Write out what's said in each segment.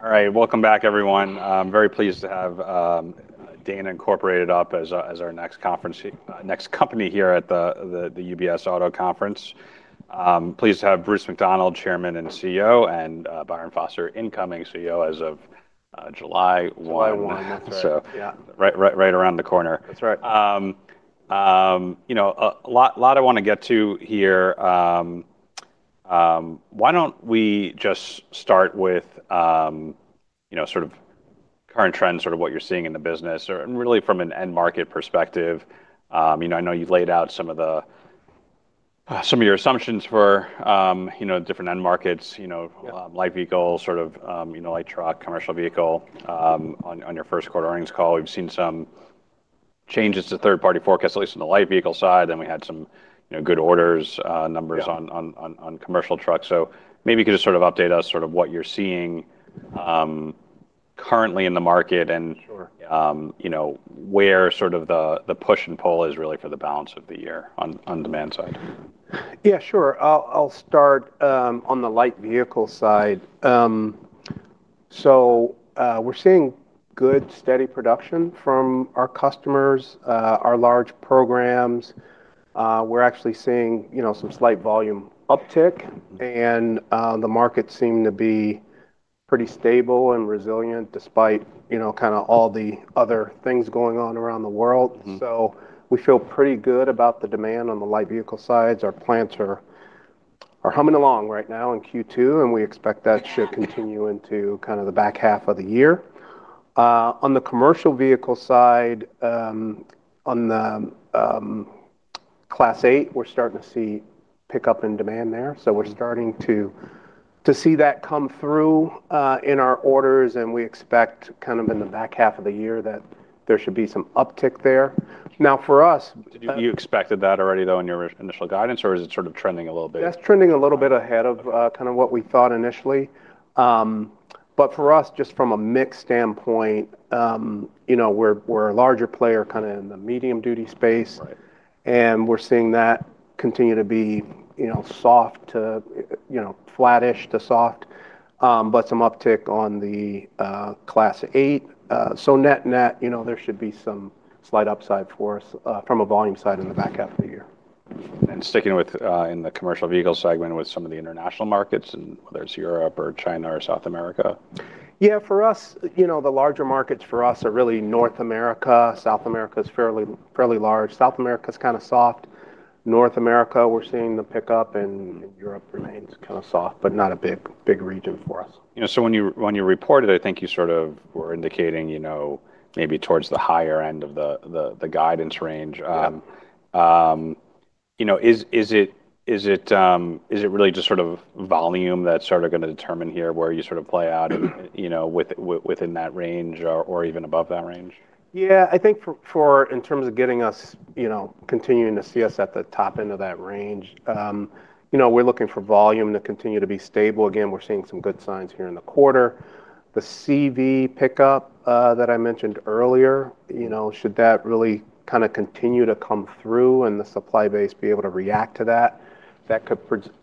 All right. Welcome back, everyone. I'm very pleased to have Dana Incorporated up as our next company here at the UBS Auto Conference. Pleased to have Bruce McDonald, Chairman and CEO, and Byron Foster, Incoming CEO as of July 1. July 1, that's right. Yeah. Right around the corner. That's right. A lot I want to get to here. Why don't we just start with sort of current trends, sort of what you're seeing in the business, and really from an end market perspective. I know you've laid out some of your assumptions for different end markets. Yeah. Light vehicle, sort of light truck, commercial vehicle, on your first quarter earnings call. We've seen some changes to third-party forecasts, at least on the light vehicle side. We had some good orders, numbers. Yeah. On commercial trucks. Maybe you could just sort of update us sort of what you're seeing currently in the market. Sure Where sort of the push and pull is really for the balance of the year on demand side. Yeah, sure. I'll start on the light vehicle side. We're seeing good, steady production from our customers, our large programs. We're actually seeing some slight volume uptick, the markets seem to be pretty stable and resilient despite kind of all the other things going on around the world. We feel pretty good about the demand on the light vehicle sides. Our plants are humming along right now in Q2, and we expect that should continue into kind of the back half of the year. On the commercial vehicle side, on the Class 8, we're starting to see pickup in demand there. We're starting to see that come through in our orders, and we expect kind of in the back half of the year that there should be some uptick there. You expected that already, though, in your initial guidance, or is it sort of trending a little bit? That's trending a little bit ahead of kind of what we thought initially. For us, just from a mix standpoint, we're a larger player kind of in the medium duty space. Right. We're seeing that continue to be flat-ish to soft, but some uptick on the Class 8. Net-net, there should be some slight upside for us from a volume side in the back half of the year. Sticking with in the commercial vehicle segment with some of the international markets, and whether it's Europe or China or South America. Yeah, the larger markets for us are really North America. South America is fairly large. South America's kind of soft. North America, we're seeing the pickup, and Europe remains kind of soft, but not a big region for us. When you reported, I think you sort of were indicating maybe towards the higher end of the guidance range. Yeah. Is it really just sort of volume that's sort of going to determine here where you sort of play out within that range or even above that range? Yeah, I think in terms of continuing to see us at the top end of that range, we're looking for volume to continue to be stable. We're seeing some good signs here in the quarter. The CV pickup that I mentioned earlier, should that really kind of continue to come through and the supply base be able to react to that could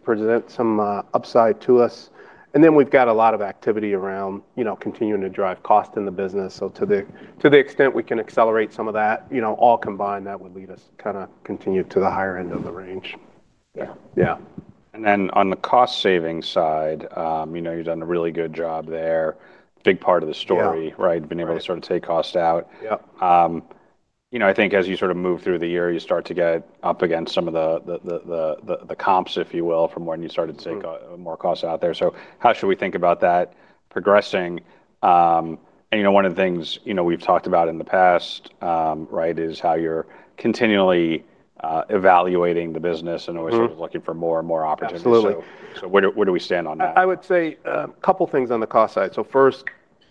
present some upside to us. We've got a lot of activity around continuing to drive cost in the business. To the extent we can accelerate some of that, all combined, that would lead us kind of continue to the higher end of the range. Yeah. On the cost-saving side, you've done a really good job there. Yeah Been able to sort of take cost out. Yep. I think as you sort of move through the year, you start to get up against some of the comps, if you will, from when you started to take more costs out there. How should we think about that progressing? One of the things we've talked about in the past is how you're continually evaluating the business and always sort of looking for more and more opportunities. Absolutely. Where do we stand on that? I would say a couple of things on the cost side. First,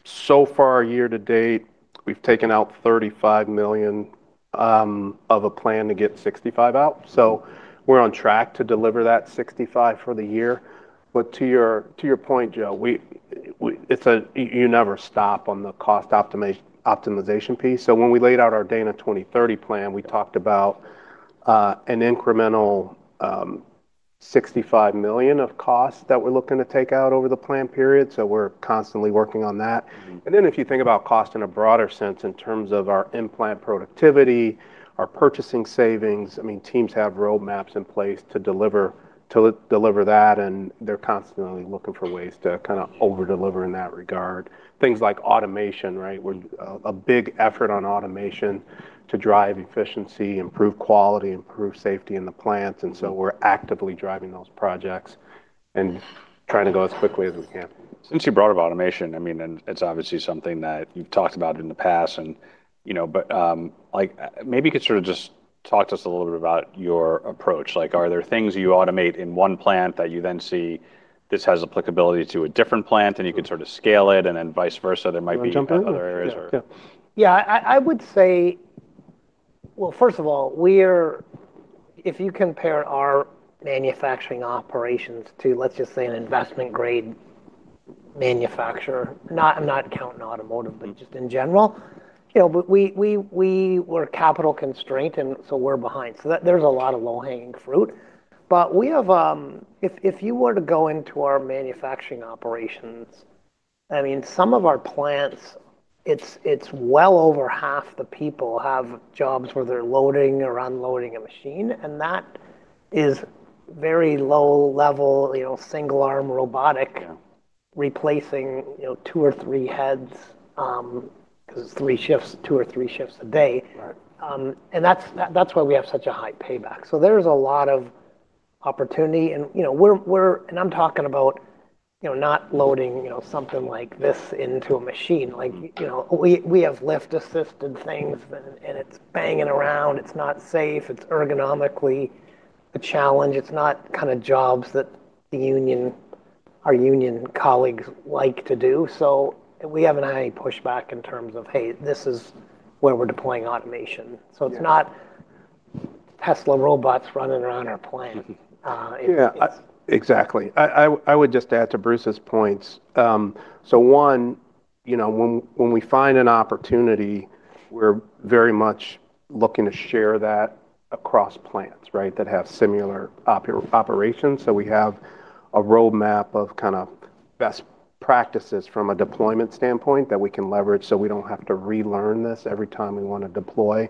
so far year to date, we've taken out $35 million of a plan to get $65 out. We're on track to deliver that $65 for the year. To your point, Joe, you never stop on the cost optimization piece. When we laid out our Dana 2030 plan, we talked about an incremental $65 million of costs that we're looking to take out over the plan period. We're constantly working on that. If you think about cost in a broader sense in terms of our in-plant productivity, our purchasing savings, I mean, teams have roadmaps in place to deliver that, they're constantly looking for ways to kind of over-deliver in that regard, things like automation, a big effort on automation to drive efficiency, improve quality, improve safety in the plants, and we're actively driving those projects and trying to go as quickly as we can. Since you brought up automation, and it's obviously something that you've talked about in the past, but maybe you could sort of just talk to us a little bit about your approach. Are there things you automate in one plant that you then see this has applicability to a different plant, and you could sort of scale it, and then vice versa, there might be other areas? You want to jump in? Yeah. I would say, well, first of all, if you compare our manufacturing operations to, let's just say, an investment grade manufacturer, I'm not counting automotive, but just in general. We were capital constrained, and so we're behind. There's a lot of low-hanging fruit, but if you were to go into our manufacturing operations, some of our plants, it's well over half the people have jobs where they're loading or unloading a machine, and that is very low level. Yeah Replacing two or three heads, because it's two or three shifts a day. Right. That's why we have such a high payback. There's a lot of opportunity, and I'm talking about not loading something like this into a machine. We have lift-assisted things, and it's banging around. It's not safe. It's ergonomically a challenge. It's not jobs that our union colleagues like to do. We haven't had any pushback in terms of, "Hey, this is where we're deploying automation. Yeah. It's not Tesla robots running around our plant. Yeah, exactly. I would just add to Bruce's points. One, when we find an opportunity, we're very much looking to share that across plants, right, that have similar operations. We have a roadmap of best practices from a deployment standpoint that we can leverage so we don't have to relearn this every time we want to deploy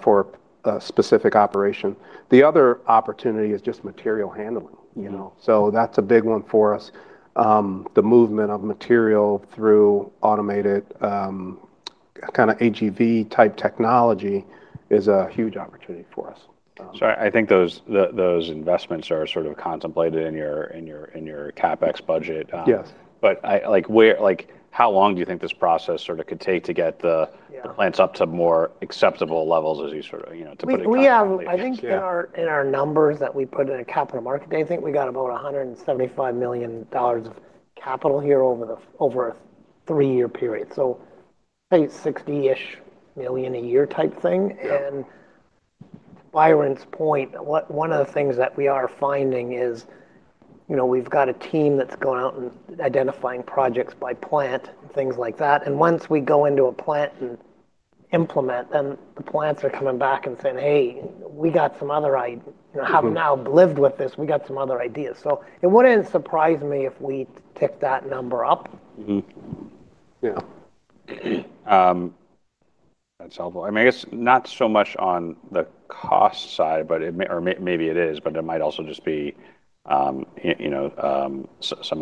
for a specific operation. The other opportunity is just material handling. Yeah. That's a big one for us. The movement of material through automated AGV-type technology is a huge opportunity for us. I think those investments are sort of contemplated in your CapEx budget. Yes. How long do you think this process could take to get? Yeah The plants up to more acceptable levels to put it concretely? I think in our numbers that we put in a Capital Markets Day, I think we got about $175 million of capital here over a three-year period. Say it's 60-ish million a year type thing. Yeah. To Byron's point, one of the things that we are finding is we've got a team that's going out and identifying projects by plant and things like that. Once we go into a plant and implement, then the plants are coming back and saying, "Hey, having now lived with this, we got some other ideas." It wouldn't surprise me if we tick that number up. Mm-hmm. Yeah. That's helpful. I guess not so much on the cost side, or maybe it is, but it might also just be some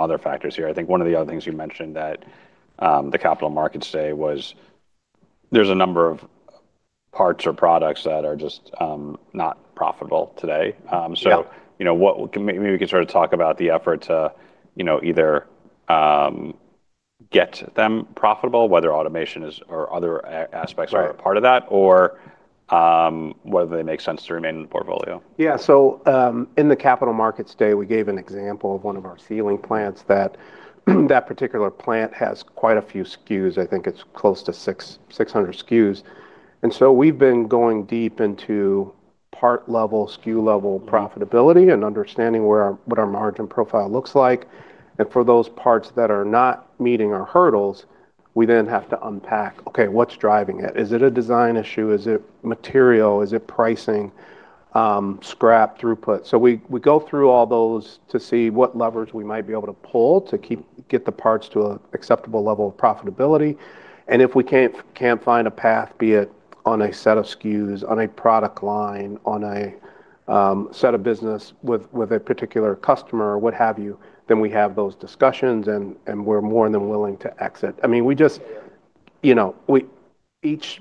other factors here. I think one of the other things you mentioned at the Capital Markets Day was there's a number of parts or products that are just not profitable today. Yeah. Maybe we can talk about the effort to either get them profitable, whether automation or other aspects. Right Are a part of that, or whether they make sense to remain in the portfolio. In the Capital Markets Day, we gave an example of one of our sealing plants that that particular plant has quite a few SKUs. I think it's close to 600 SKUs. We've been going deep into part level, SKU level profitability, and understanding what our margin profile looks like. For those parts that are not meeting our hurdles, we then have to unpack, okay, what's driving it? Is it a design issue? Is it material? Is it pricing, scrap throughput? We go through all those to see what leverage we might be able to pull to get the parts to an acceptable level of profitability. If we can't find a path, be it on a set of SKUs, on a product line, on a set of business with a particular customer, or what have you, then we have those discussions, and we're more than willing to exit. Each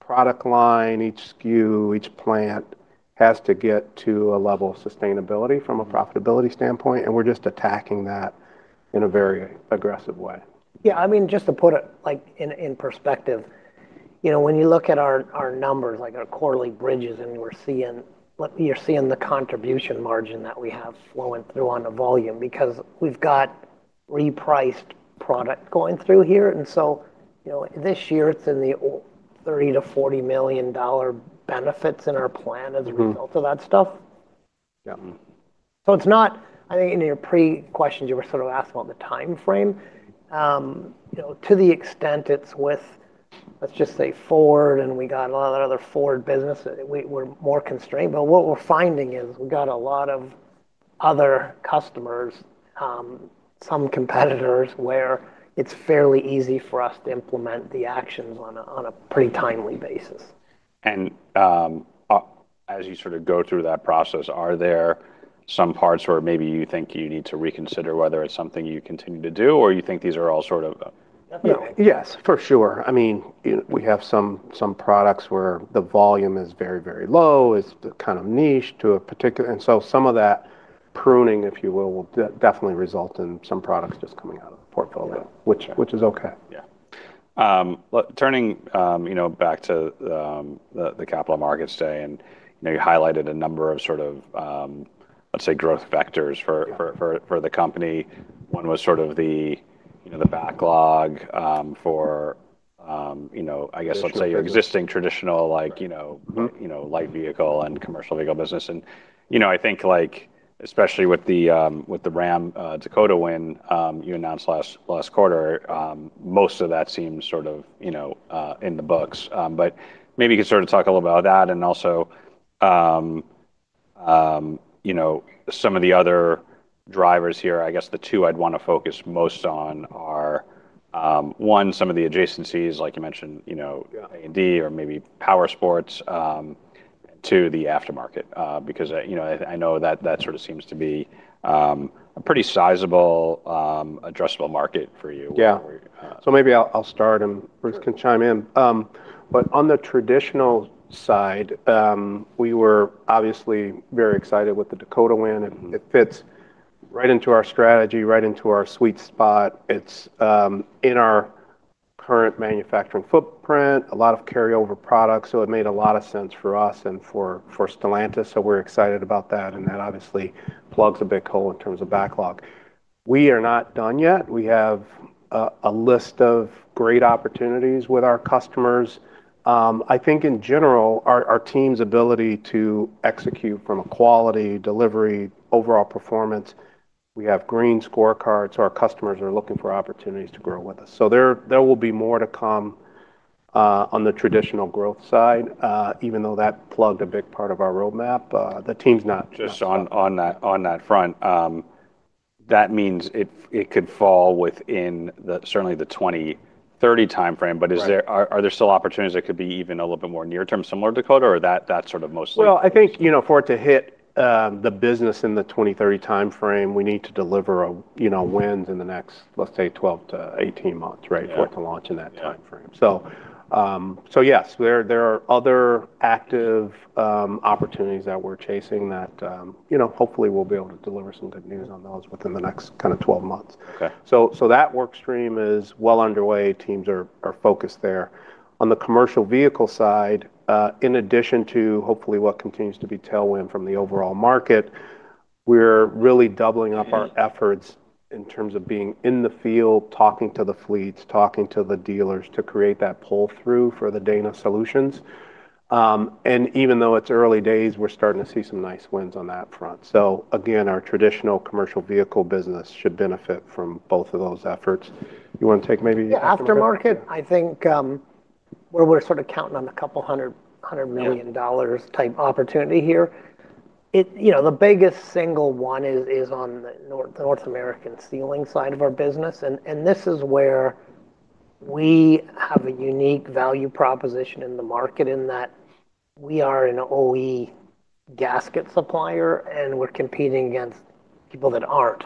product line, each SKU, each plant has to get to a level of sustainability from a profitability standpoint, and we're just attacking that in a very aggressive way. Yeah. Just to put it in perspective, when you look at our numbers, like our quarterly bridges, and you're seeing the contribution margin that we have flowing through on the volume, because we've got repriced product going through here. This year it's in the $30 million-$40 million benefits in our plan as a result of that stuff. Yeah. It's not, I think in your pre-questions, you were sort of asking about the timeframe. To the extent it's with, let's just say Ford, and we got a lot of that other Ford business, we're more constrained. What we're finding is we've got a lot of other customers, some competitors, where it's fairly easy for us to implement the actions on a pretty timely basis. As you go through that process, are there some parts where maybe you think you need to reconsider whether it's something you continue to do, or you think these are all? Nothing. Yes, for sure. We have some products where the volume is very low. It's kind of niche to a particular. Some of that pruning, if you will definitely result in some products just coming out of the portfolio. Yeah. Which is okay. Yeah. Turning back to the Capital Markets Day, and you highlighted a number of, let's say, growth vectors for. Yeah The company. One was the backlog I guess let's say your existing traditional light vehicle and commercial vehicle business. I think especially with the Ram/Dakota win you announced last quarter, most of that seems in the books. maybe you could talk a little about that and also some of the other drivers here, I guess the two I'd want to focus most on are, one, some of the adjacencies, like you mentioned. Yeah A&D or maybe powersports to the aftermarket. I know that seems to be a pretty sizable addressable market for you. Yeah. Maybe I'll start and Bruce can chime in. On the traditional side, we were obviously very excited with the Dakota win. It fits right into our strategy, right into our sweet spot. It's in our current manufacturing footprint, a lot of carryover products. It made a lot of sense for us and for Stellantis. We're excited about that, and that obviously plugs a big hole in terms of backlog. We are not done yet. We have a list of great opportunities with our customers. I think in general, our team's ability to execute from a quality, delivery, overall performance, we have green scorecards. Our customers are looking for opportunities to grow with us. There will be more to come on the traditional growth side, even though that plugged a big part of our roadmap. The team's not done. Just on that front. That means it could fall within certainly the 2030 timeframe. Right. Are there still opportunities that could be even a little bit more near-term, similar to Dakota, or that sort of mostly? Well, I think, for it to hit the business in the 2030 timeframe, we need to deliver wins in the next, let's say, 12 to 18 months, right? Yeah. For it to launch in that timeframe. Yeah. Yes, there are other active opportunities that we're chasing that hopefully we'll be able to deliver some good news on those within the next 12 months. Okay. That work stream is well underway. Teams are focused there. On the commercial vehicle side, in addition to hopefully what continues to be tailwind from the overall market, we're really doubling up our efforts in terms of being in the field, talking to the fleets, talking to the dealers to create that pull-through for the Dana solutions. Even though it's early days, we're starting to see some nice wins on that front. Again, our traditional commercial vehicle business should benefit from both of those efforts. You want to take maybe the aftermarket? The aftermarket, I think, where we're sort of counting on a $200 million type opportunity here. The biggest single one is on the North American sealing side of our business. This is where we have a unique value proposition in the market in that we are an OE gasket supplier, and we're competing against people that aren't.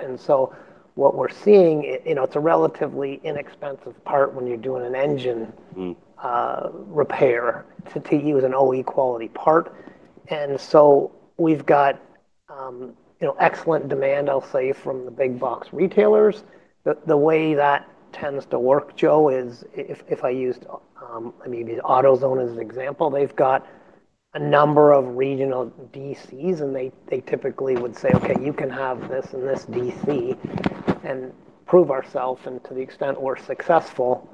What we're seeing, it's a relatively inexpensive part when you're doing an engine repair to use an OE quality part. We've got excellent demand, I'll say, from the big box retailers. The way that tends to work, Joe, is if I used maybe AutoZone as an example, they've got a number of regional DCs and they typically would say, okay, you can have this in this DC and prove ourself and to the extent we're successful,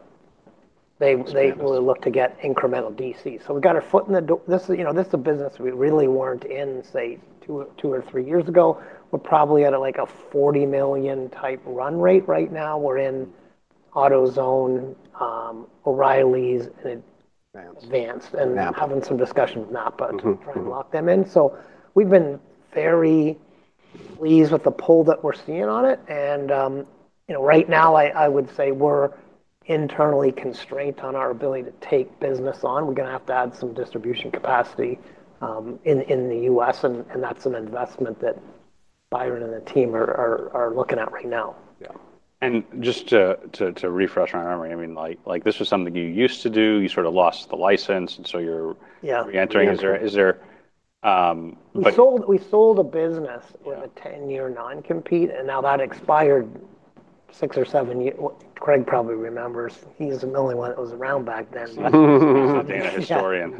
they will look to get incremental DCs. We've got our foot in the door. This is a business we really weren't in, say, two or three years ago. We're probably at a $40 million type run rate right now. We're in AutoZone, O'Reilly's. Vance Vance. NAPA. Having some discussions with NAPA. to try and lock them in. We've been very pleased with the pull that we're seeing on it, and right now, I would say we're internally constrained on our ability to take business on. We're going to have to add some distribution capacity in the U.S., and that's an investment that Byron and the team are looking at right now. Yeah. Just to refresh my memory, this was something you used to do. You sort of lost the license. Yeah Re-entering. We sold a business. Yeah With a 10-year non-compete, and now that expired six or seven years. Craig probably remembers. He was the only one that was around back then. He's the Dana historian.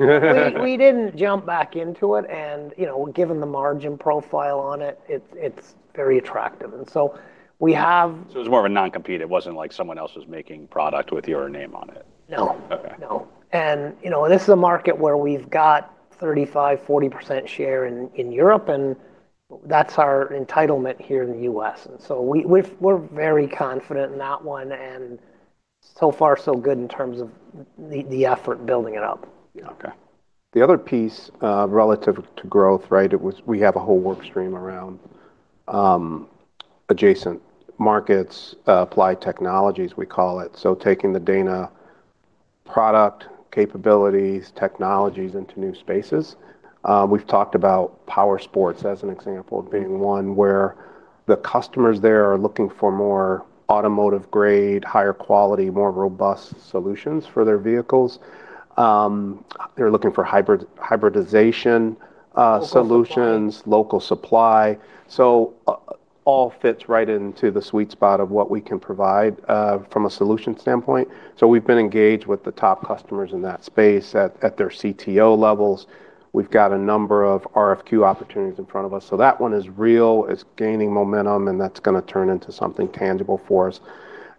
We didn't jump back into it, and given the margin profile on it's very attractive. We have- It was more of a non-compete. It wasn't like someone else was making product with your name on it. No. Okay. No. This is a market where we've got 35, 40% share in Europe, and that's our entitlement here in the U.S. We're very confident in that one, and so far so good in terms of the effort building it up. Okay. The other piece, relative to growth, right, we have a whole work stream around adjacent markets, Applied Technologies we call it. Taking the Dana product capabilities, technologies into new spaces. We've talked about powersports as an example of being one where the customers there are looking for more automotive-grade, higher quality, more robust solutions for their vehicles. They're looking for hybridization solutions. Local supply Local supply. All fits right into the sweet spot of what we can provide from a solution standpoint. We've been engaged with the top customers in that space at their CTO levels. We've got a number of RFQ opportunities in front of us. That one is real. It's gaining momentum, and that's going to turn into something tangible for us.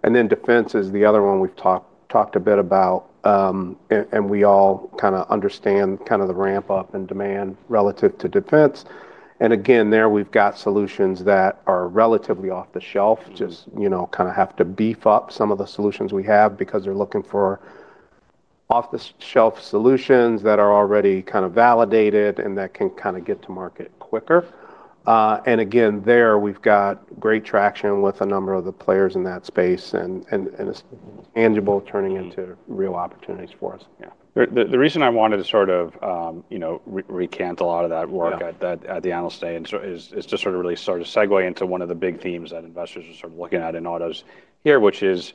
Defense is the other one we've talked a bit about. We all kind of understand the ramp-up in demand relative to defense. Again, there we've got solutions that are relatively off the shelf. Just kind of have to beef up some of the solutions we have because they're looking for off-the-shelf solutions that are already kind of validated and that can kind of get to market quicker. Again, there we've got great traction with a number of the players in that space, and it's tangible turning into real opportunities for us, yeah. The reason I wanted to sort of recant a lot of that work. Yeah At the Analyst Day is to sort of really segue into one of the big themes that investors are sort of looking at in autos here, which is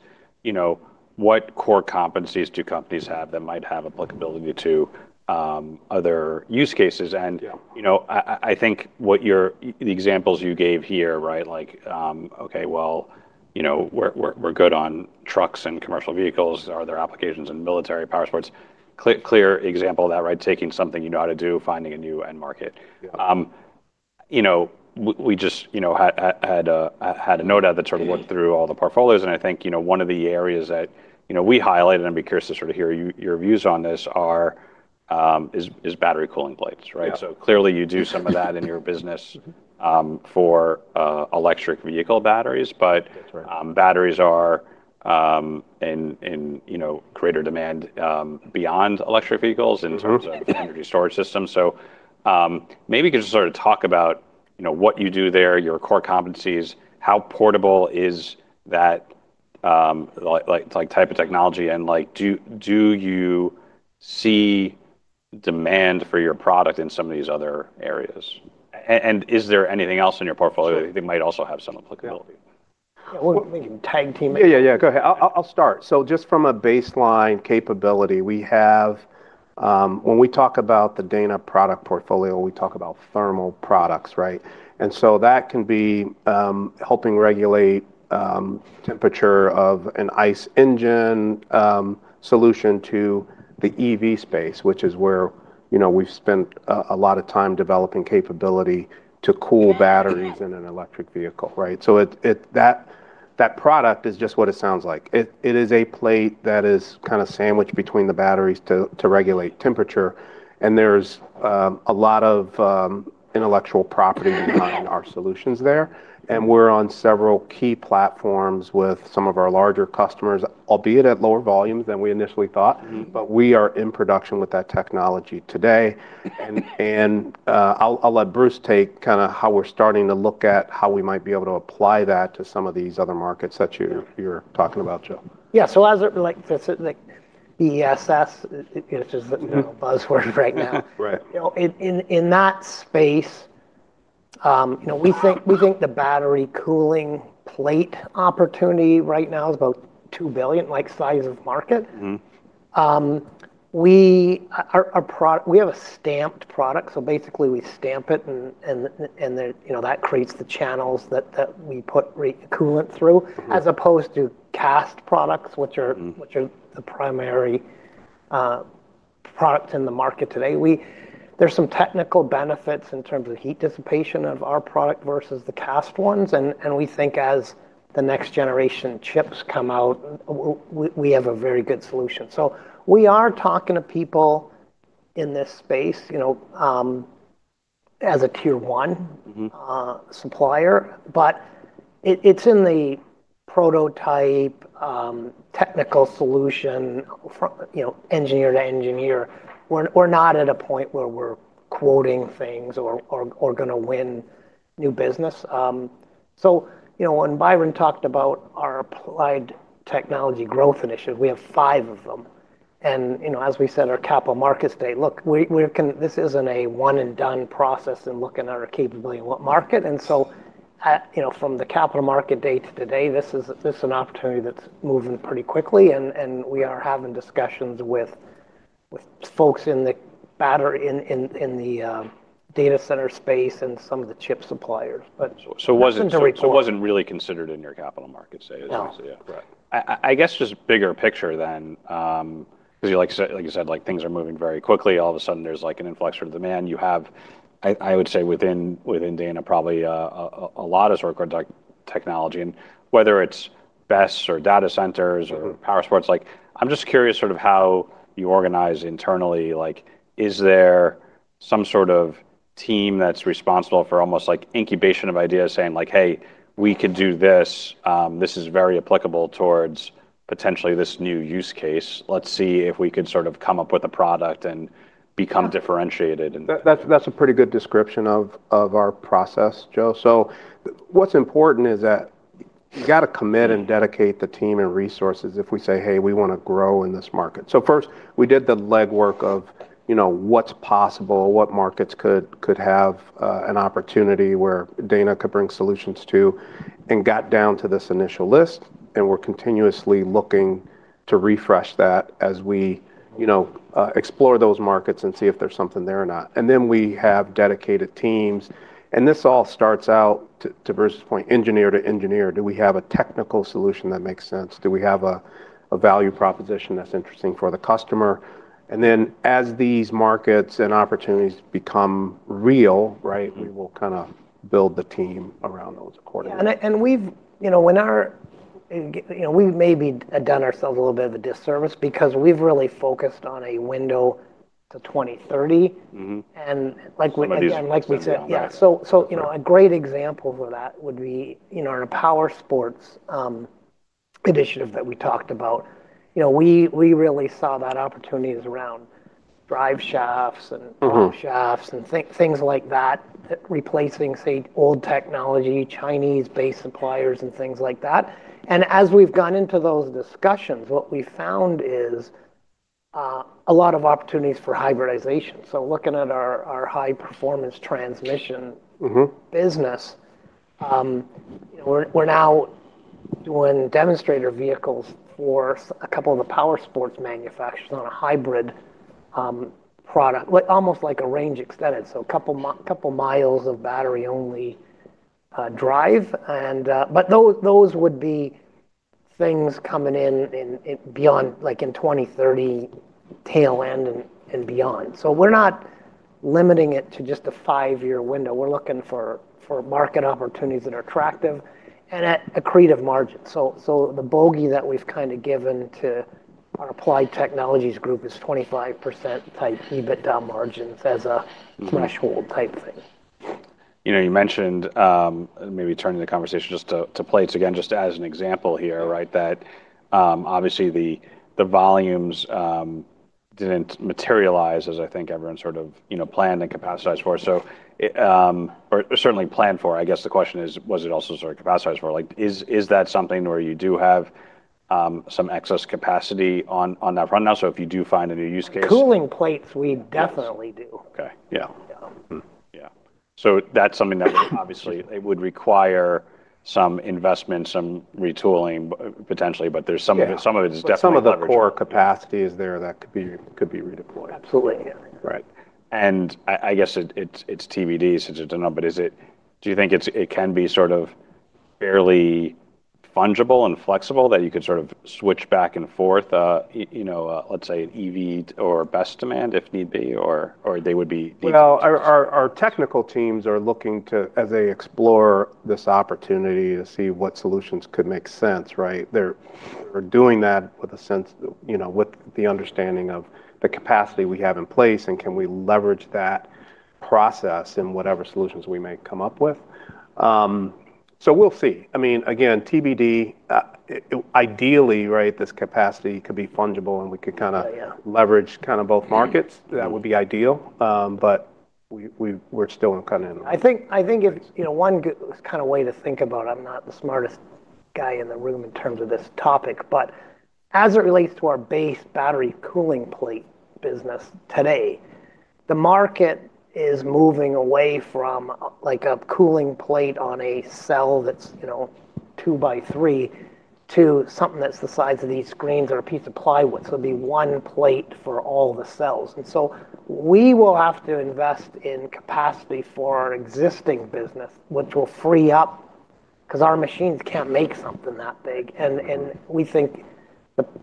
what core competencies do companies have that might have applicability to other use cases. Yeah I think the examples you gave here. Like okay, well, we're good on trucks and commercial vehicles. Are there applications in military powersports? Clear example of that, right? Taking something you know how to do, finding a new end market. Yeah. We just had a note out that sort of looked through all the portfolios, and I think one of the areas that we highlighted, and I'd be curious to sort of hear your views on this, is battery cooling plates, right? Yeah. Clearly you do some of that in your business for electric vehicle batteries. That's right. Batteries are in greater demand beyond electric vehicles in terms of energy storage systems. Maybe you could just sort of talk about what you do there, your core competencies, how portable is that type of technology, and do you see demand for your product in some of these other areas? Is there anything else in your portfolio that might also have some applicability? Yeah. We can tag team it. Yeah. Go ahead. I'll start. Just from a baseline capability, when we talk about the Dana product portfolio, we talk about thermal products. That can be helping regulate temperature of an ICE engine solution to the EV space, which is where we've spent a lot of time developing capability to cool batteries in an electric vehicle. That product is just what it sounds like. It is a plate that is kind of sandwiched between the batteries to regulate temperature, and there's a lot of intellectual property behind our solutions there. We're on several key platforms with some of our larger customers, albeit at lower volumes than we initially thought. We are in production with that technology today. I'll let Bruce take kind of how we're starting to look at how we might be able to apply that to some of these other markets that you're talking about, Joe. Yeah. As it relates to BESS, which is the buzzword right now. Right. In that space, we think the battery cooling plate opportunity right now is about $2 billion, like size of market. We have a stamped product, so basically we stamp it, and that creates the channels that we put coolant through, as opposed to cast products, which are the primary product in the market today. There's some technical benefits in terms of heat dissipation of our product versus the cast ones, and we think as the next generation chips come out, we have a very good solution. We are talking to people in this space as a tier one supplier, but it's in the prototype, technical solution, engineer to engineer. We're not at a point where we're quoting things or going to win new business. When Byron talked about our Applied Technologies growth initiative, we have five of them, and as we said, our Capital Markets Day, look, this isn't a one-and-done process in looking at our capability in what market. From the Capital Markets Day to today, this is an opportunity that's moving pretty quickly, and we are having discussions with folks in the data center space and some of the chip suppliers. It wasn't. Things are moving. Really considered in your Capital Markets Day No I assume. Yeah. Right. I guess just bigger picture then, because like you said, things are moving very quickly. All of a sudden, there's an influx of demand. You have, I would say, within Dana, probably a lot of sort of core technology, and whether it's BESS or data centers or powersports, I'm just curious how you organize internally. Is there some sort of team that's responsible for almost incubation of ideas, saying, "Hey, we could do this. This is very applicable towards potentially this new use case. Let's see if we could sort of come up with a product and become differentiated. That's a pretty good description of our process, Joe. What's important is that you got to commit and dedicate the team and resources if we say, "Hey, we want to grow in this market." First we did the legwork of what's possible, what markets could have an opportunity where Dana could bring solutions to, and got down to this initial list, and we're continuously looking to refresh that as we explore those markets and see if there's something there or not. We have dedicated teams, and this all starts out, to Bruce's point, engineer to engineer. Do we have a technical solution that makes sense? Do we have a value proposition that's interesting for the customer? As these markets and opportunities become real, we will kind of build the team around those accordingly. Yeah, we've maybe done ourselves a little bit of a disservice because we've really focused on a window to 2030. And like we- Some of these- Like we said. Yeah A great example for that would be, our Powersports Initiative that we talked about. We really saw that opportunity is around drive shafts. Propshafts and things like that, replacing, say, old technology, Chinese-based suppliers and things like that. As we've gone into those discussions, what we've found is a lot of opportunities for hybridization. Looking at our high-performance transmission- Business, we're now doing demonstrator vehicles for a couple of the powersports manufacturers on a hybrid product. Almost like a range extended, so a couple of miles of battery-only drive. Those would be things coming in beyond, like in 2030 tail end and beyond. We're not limiting it to just a five-year window. We're looking for market opportunities that are attractive and at accretive margins. The bogey that we've kind of given to our Applied Technologies group is 25%-type EBITDA margins. Threshold type thing. You mentioned, maybe turning the conversation just to plates again, just as an example here. Obviously the volumes didn't materialize as I think everyone sort of planned and capacitized for. Certainly planned for, I guess the question is, was it also sort of capacitized for? Like, is that something where you do have some excess capacity on that front now? If you do find a new use case. Cooling plates, we definitely do. Okay. Yeah. Yeah. Yeah. That's something that obviously it would require some investment, some retooling potentially, but there's some of it. Yeah Is definitely- Some of the core capacity is there that could be redeployed. Absolutely. Yeah. Right. I guess it's TBD, since I don't know, do you think it can be sort of fairly fungible and flexible, that you could sort of switch back and forth, let's say in EV or BESS demand if need be? Well, our technical teams are looking to, as they explore this opportunity to see what solutions could make sense. They're doing that with the understanding of the capacity we have in place, and can we leverage that process in whatever solutions we may come up with. We'll see. I mean, again, TBD. Ideally, this capacity could be fungible and we could. Yeah Leverage kind of both markets. That would be ideal. we're still in kind of in-. I think one kind of way to think about, I'm not the smartest guy in the room in terms of this topic, but as it relates to our base battery cooling plate business today, the market is moving away from a cooling plate on a cell that's two by three, to something that's the size of these screens or a piece of plywood. It'd be one plate for all the cells. We will have to invest in capacity for our existing business, which will free up, because our machines can't make something that big. We think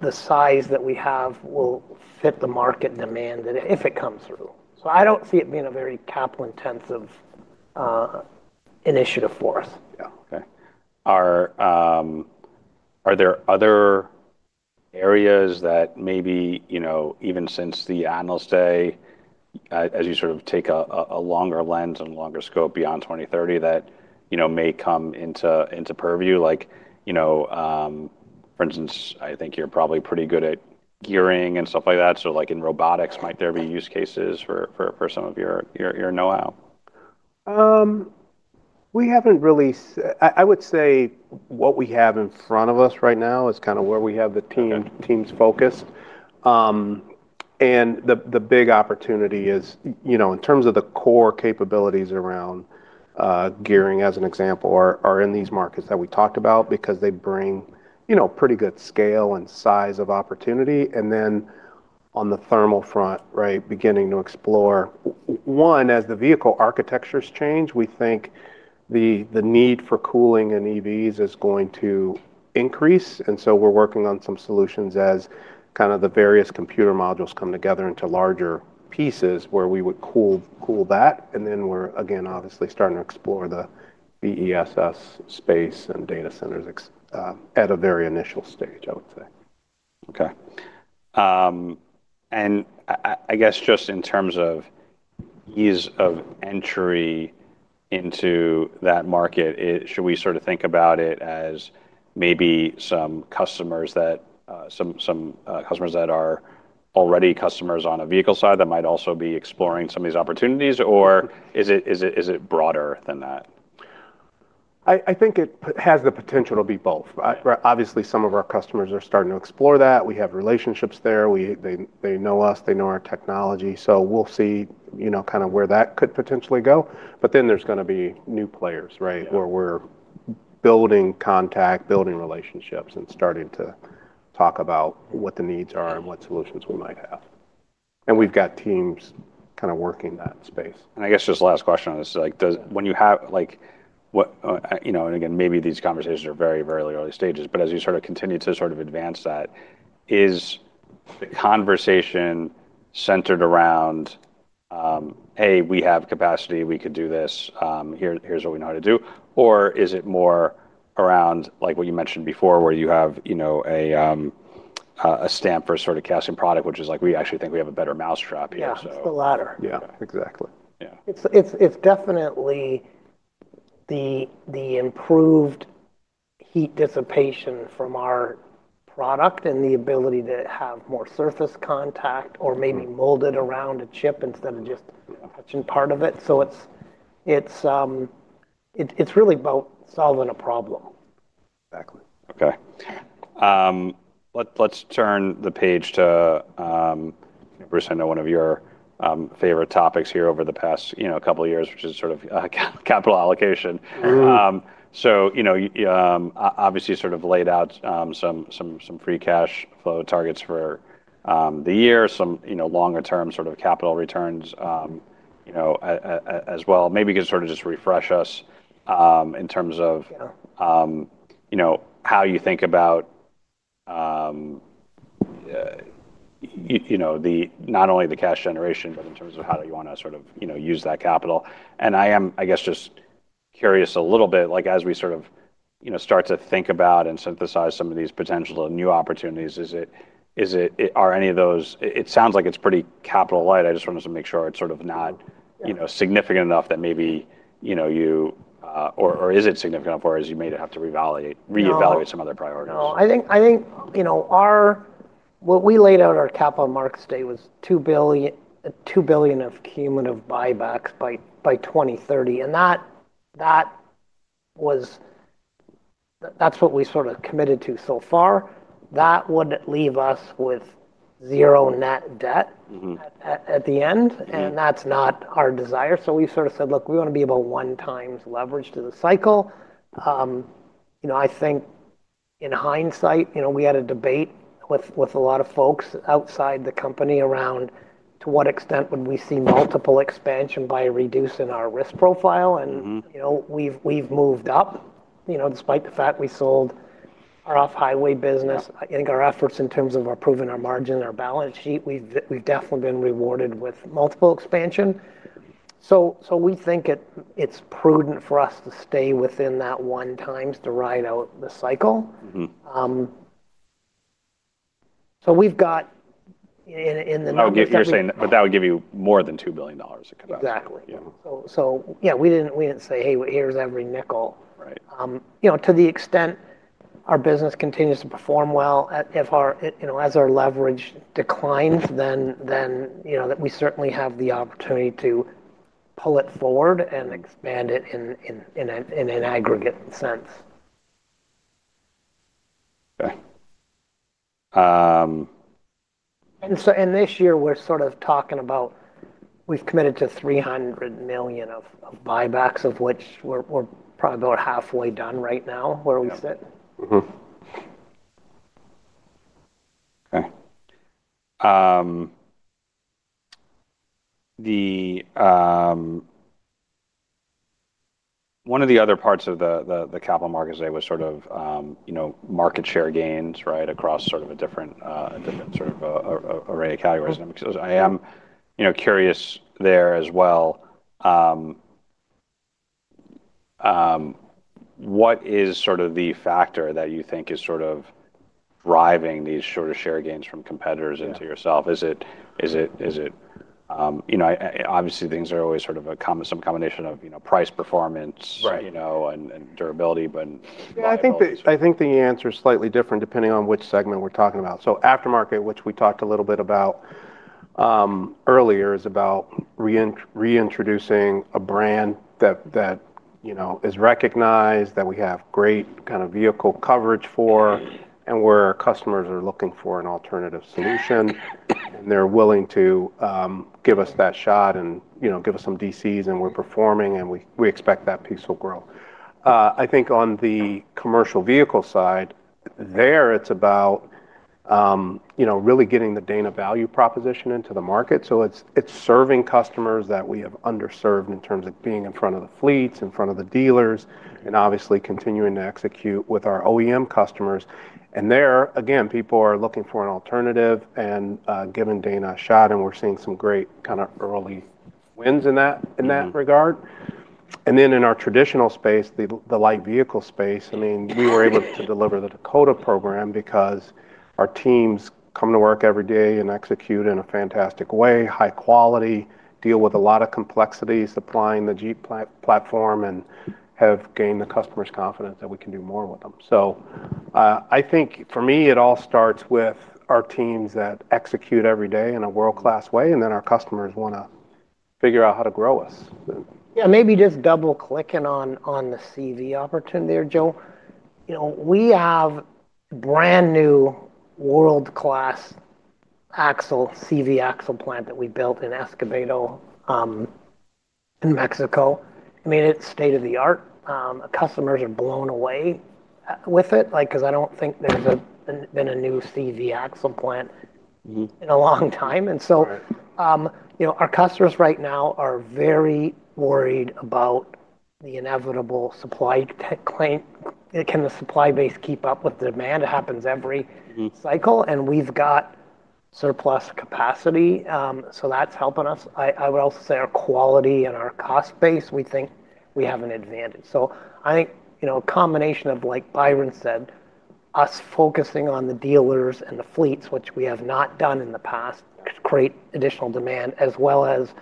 the size that we have will fit the market demand if it comes through. I don't see it being a very capital-intensive initiative for us. Yeah. Okay. Are there other areas that maybe, even since the analyst day, as you sort of take a longer lens and longer scope beyond 2030 that may come into purview? Like, for instance, I think you're probably pretty good at gearing and stuff like that. Like in robotics, might there be use cases for some of your know-how? We haven't really I would say what we have in front of us right now is kind of where we have the team. Okay Focused. The big opportunity is, in terms of the core capabilities around gearing as an example, are in these markets that we talked about because they bring pretty good scale and size of opportunity. On the thermal front, beginning to explore, one, as the vehicle architectures change, we think the need for cooling in EVs is going to increase, and so we're working on some solutions as kind of the various computer modules come together into larger pieces where we would cool that. We're again obviously starting to explore the BESS space and data centers, at a very initial stage, I would say. Okay. I guess just in terms of ease of entry into that market, should we sort of think about it as maybe some customers that are already customers on a vehicle side that might also be exploring some of these opportunities, or is it broader than that? I think it has the potential to be both. Yeah. Obviously, some of our customers are starting to explore that. We have relationships there. They know us, they know our technology. We'll see kind of where that could potentially go. There's going to be new players. Yeah. Where we're building contact, building relationships, and starting to talk about what the needs are and what solutions we might have. We've got teams kind of working that space. I guess just the last question on this is like, when you have again, maybe these conversations are very early stages, but as you sort of continue to sort of advance that, is the conversation centered around, 'Hey, we have capacity, we could do this, here's what we know how to do?' Or is it more around, like what you mentioned before, where you have a stamp for sort of casting product, which is like we actually think we have a better mousetrap here? Yeah, it's the latter. Yeah. Exactly. Yeah. It's definitely the improved heat dissipation from our product and the ability to have more surface contact or maybe mold it around a chip instead of just touching part of it. It's really about solving a problem. Exactly. Okay. Let's turn the page to, Bruce, I know one of your favorite topics here over the past couple of years, which is sort of capital allocation. Obviously you sort of laid out some free cash flow targets for the year, some longer term sort of capital returns, as well. Maybe you could sort of just refresh us, in terms of. Sure How you think about not only the cash generation, but in terms of how you want to sort of use that capital. I am, I guess, just curious a little bit, as we sort of start to think about and synthesize some of these potential new opportunities, it sounds like it's pretty capital light. I just wanted to make sure it's sort of not. Yeah Significant enough or is it significant for as you may have to reevaluate? No Some other priorities. No. What we laid out our Capital Markets Day was $2 billion of cumulative buybacks by 2030, and that's what we sort of committed to so far. That would leave us with zero net debt. At the end, and that's not our desire. We've sort of said, look, we want to be about one times leverage to the cycle. I think in hindsight, we had a debate with a lot of folks outside the company around to what extent would we see multiple expansion by reducing our risk profile. we've moved up, despite the fact we sold our off-highway business. I think our efforts in terms of improving our margin and our balance sheet, we've definitely been rewarded with multiple expansion. We think it's prudent for us to stay within that one times to ride out the cycle. We've got in the numbers. You're saying, but that would give you more than $2 billion of capacity. Exactly. Yeah. Yeah, we didn't say, "Hey, here's every nickel. Right. To the extent our business continues to perform well, as our leverage declines, then we certainly have the opportunity to pull it forward and expand it in an aggregate sense. Okay. This year we're sort of talking about, we've committed to $300 million of buybacks, of which we're probably about halfway done right now, where we sit. Yeah. Mm-hmm. Okay. One of the other parts of the Capital Markets Day was sort of market share gains, right, across sort of a different- Sort of array of categories. What is sort of the factor that you think is sort of driving these sort of share gains from competitors into yourself? Yeah. Obviously things are always sort of some combination of price, performance. Right And durability, Yeah. Well, I think the answer is slightly different depending on which segment we're talking about. Aftermarket, which we talked a little bit about earlier, is about reintroducing a brand that is recognized, that we have great kind of vehicle coverage for, and where our customers are looking for an alternative solution, and they're willing to give us that shot and give us some DCs and we're performing and we expect that piece will grow. I think on the commercial vehicle side, there it's about really getting the Dana value proposition into the market. It's serving customers that we have underserved in terms of being in front of the fleets, in front of the dealers, and obviously continuing to execute with our OEM customers. There, again, people are looking for an alternative and giving Dana a shot, and we're seeing some great kind of early wins in that regard. Then in our traditional space, the light vehicle space, we were able to deliver the Dakota Program because our teams come to work every day and execute in a fantastic way, high quality, deal with a lot of complexities, supplying the Jeep platform, and have gained the customer's confidence that we can do more with them. I think for me, it all starts with our teams that execute every day in a world-class way, and then our customers want to figure out how to grow us. Yeah, maybe just double clicking on the CV opportunity there, Joe. We have brand new world-class axle, CV axle plant that we built in Escobedo, in Mexico. It's state-of-the-art. Customers are blown away with it, because I don't think there's been a new CV axle plant. In a long time. Right Our customers right now are very worried about the inevitable supply chain. Can the supply base keep up with demand? It happens every cycle, and we've got surplus capacity, so that's helping us. I would also say our quality and our cost base, we think we have an advantage. I think a combination of, like Byron said, us focusing on the dealers and the fleets, which we have not done in the past, could create additional demand, as well as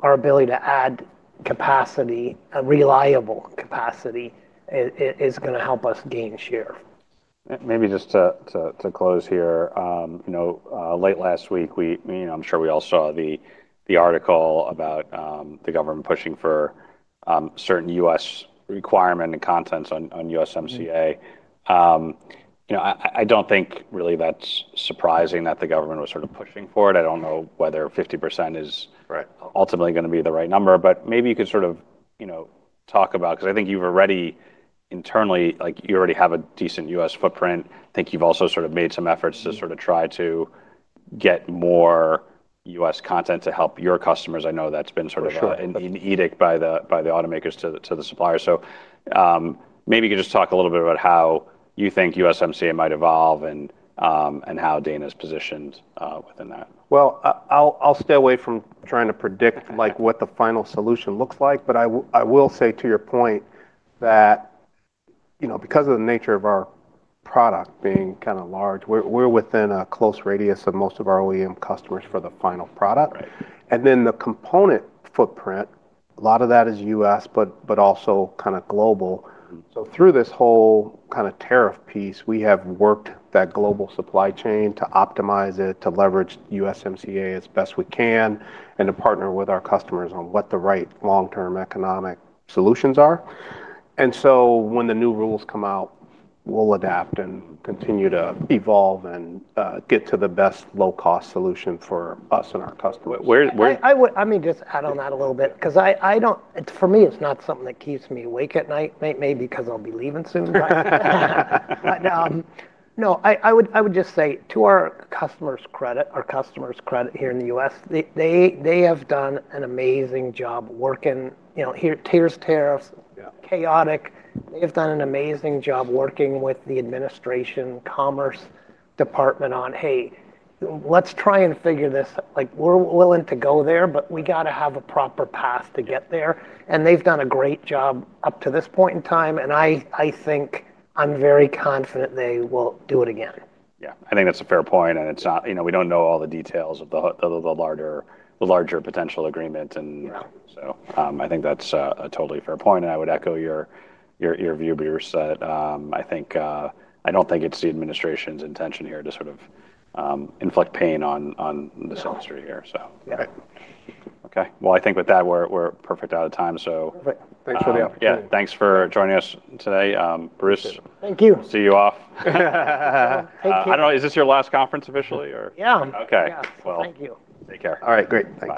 our ability to add capacity, a reliable capacity, is going to help us gain share. Maybe just to close here. Late last week, I'm sure we all saw the article about the government pushing for certain U.S. requirement and contents on USMCA. I don't think, really, that's surprising that the government was sort of pushing for it. I don't know whether 50% is. Right Ultimately going to be the right number, but maybe you could sort of talk about, because I think you've already internally, you already have a decent U.S. footprint. I think you've also sort of made some efforts to sort of try to get more U.S. content to help your customers. For sure. An edict by the automakers to the suppliers. Maybe you could just talk a little bit about how you think USMCA might evolve and how Dana's positioned within that. Well, I'll stay away from trying to predict what the final solution looks like. I will say to your point that, because of the nature of our product being kind of large, we're within a close radius of most of our OEM customers for the final product. Right. The component footprint, a lot of that is U.S., but also kind of global. Through this whole kind of tariff piece, we have worked that global supply chain to optimize it, to leverage USMCA as best we can, and to partner with our customers on what the right long-term economic solutions are. When the new rules come out, we'll adapt and continue to evolve and get to the best low-cost solution for us and our customers. Where- I would, let me just add on that a little bit, because for me, it's not something that keeps me awake at night. Maybe because I'll be leaving soon. No, I would just say to our customers' credit here in the U.S., they have done an amazing job working. Here, there's tariffs- Yeah Chaotic. They've done an amazing job working with the administration Commerce Department on, "Hey, let's try and figure this. We're willing to go there, but we got to have a proper path to get there." They've done a great job up to this point in time, and I think, I'm very confident they will do it again. Yeah, I think that's a fair point and We don't know all the details of the larger potential agreement. Yeah I think that's a totally fair point, and I would echo your view, Bruce, that I don't think it's the administration's intention here to sort of inflict pain on this industry here. Yeah. Right. Okay. Well, I think with that, we're perfect out of time, so. Perfect. Thanks for the opportunity. Yeah, thanks for joining us today. Bruce. Thank you. See you off. Thank you. I don't know, is this your last conference officially, or? Yeah. Okay. Yeah. Well- Thank you. Take care. All right, great. Thank you.